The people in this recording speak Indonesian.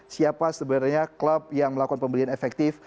siapa sebenarnya klub yang melakukan pembelian efektif